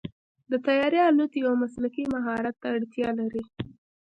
د طیارې الوت یو مسلکي مهارت ته اړتیا لري.